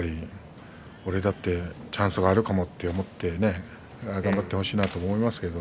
俺だってチャンスがあると思って頑張ってほしいなと思います。